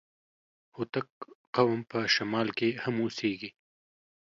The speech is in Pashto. هوتک قوم په شمال کي هم اوسېږي.